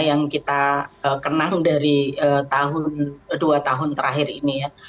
yang kita kenang dari tahun dua tahun terakhir ini ya